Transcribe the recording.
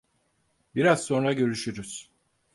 Biraz sonra görüşürüz.